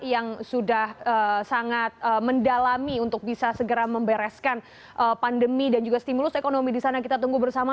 yang sudah sangat mendalami untuk bisa segera membereskan pandemi dan juga stimulus ekonomi di sana kita tunggu bersama